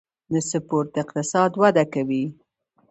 د سپورت اقتصاد وده کوي